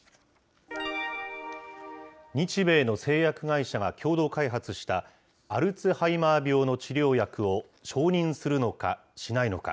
日米の製薬会社が共同開発したアルツハイマー病の治療薬を承認するのかしないのか。